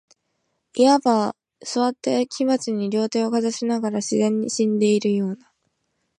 謂わば、坐って火鉢に両手をかざしながら、自然に死んでいるような、